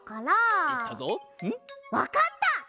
わかった！